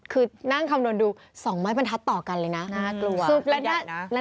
คือนั่งคำดูสองไมค์มันทัดต่อกันเลยนะ